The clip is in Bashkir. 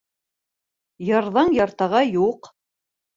Йырҙың йыртығы юҡ